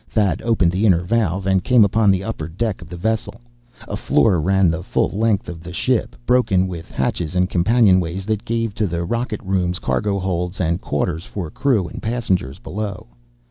Thad opened the inner valve, and came upon the upper deck of the vessel. A floor ran the full length of the ship, broken with hatches and companionways that gave to the rocket rooms, cargo holds, and quarters for crew and passengers below.